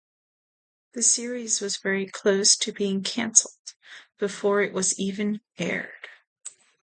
The series was very close to being cancelled before it was even aired.